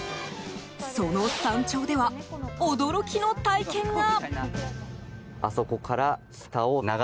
その山頂では、驚きの体験が。